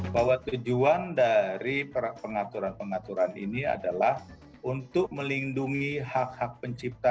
bahwa tujuan dari pengaturan pengaturan ini adalah untuk melindungi hak hak pencipta